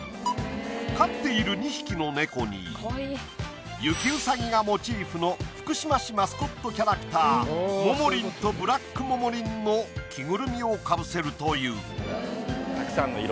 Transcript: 飼っている２匹の猫に雪うさぎがモチーフの福島市マスコットキャラクターももりんとブラックもももりんの着ぐるみをかぶせるという。